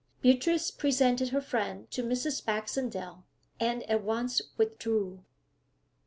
Beatrice presented her friend to Mrs. Baxendale, and at once withdrew.